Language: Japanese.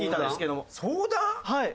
はい。